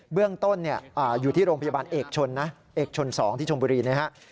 เบื้องต้นอยู่ที่โรงพยาบาลเอกชนนะเอกชน๒ที่ชมบุรีนะครับ